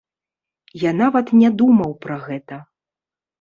Я нават не думаў пра гэта.